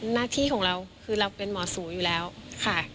หน้าที่ของเราคือเราเป็นหมอสูอยู่แล้วค่ะ